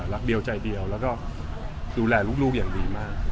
รักเดียวใจเดียวแล้วก็ดูแลลูกอย่างดีมาก